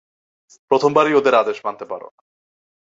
প্রথমবারেই ওদের আদেশ মানতে পারো না।